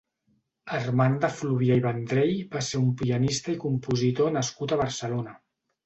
Armand de Fluvià i Vendrell va ser un pianista i compositor nascut a Barcelona.